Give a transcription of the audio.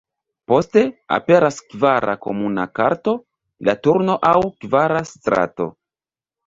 Poste, aperas kvara komuna karto, la turno aŭ 'kvara strato'.